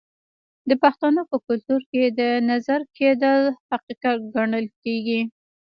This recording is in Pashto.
د پښتنو په کلتور کې د نظر کیدل حقیقت ګڼل کیږي.